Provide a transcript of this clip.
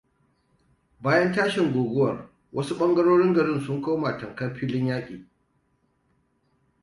Bayan tashin guguwar wasu bangarorin garin sun koma tamkar filin yaki.